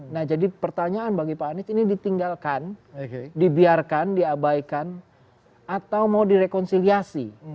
nah jadi pertanyaan bagi pak anies ini ditinggalkan dibiarkan diabaikan atau mau direkonsiliasi